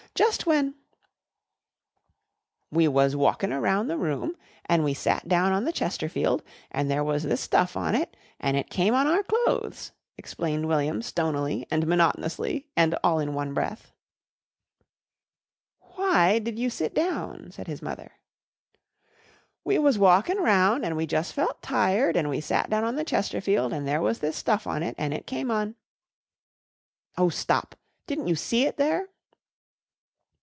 Just when " "We was walkin' round the room an' we sat down on the Chesterfield and there was this stuff on it an' it came on our clothes," explained William stonily and monotonously and all in one breath. "Why did you sit down," said his mother. "We was walkin' round an' we jus' felt tired and we sat down on the Chesterfield and there was this stuff on it an' it came on " "Oh, stop! Didn't you see it there?"